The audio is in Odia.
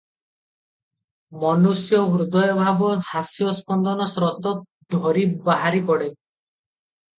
ମନୁଷ୍ୟ ହୃଦୟଭାବ ହାସ୍ୟସ୍ପନ୍ଦନ ସ୍ରୋତ ଧରି ବାହାରିପଡ଼େ ।